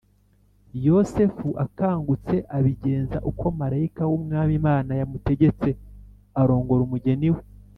Yosefu akangutse abigenza uko marayika w’Umwami Imana yamutegetse, arongora umugeni we.